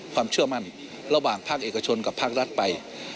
ความเชื่อมั่นระหว่างภาคเอกชนกับภาครัฐไป